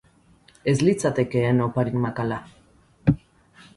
Ez litzatekeen opari makala.